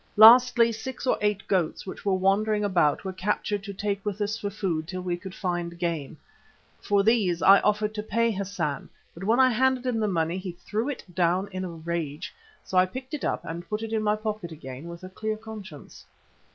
Lastly, six or eight goats which were wandering about were captured to take with us for food till we could find game. For these I offered to pay Hassan, but when I handed him the money he threw it down in a rage, so I picked it up and put it in my pocket again with a clear conscience.